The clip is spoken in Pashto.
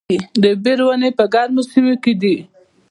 د بیر ونې په ګرمو سیمو کې دي؟